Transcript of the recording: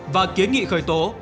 và kiến nghị khởi tố